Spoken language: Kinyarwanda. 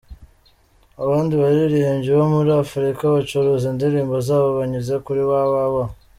Abandi baririmbyi bo muri Afurika bacuruza indirimbo zabo banyuze kuri www.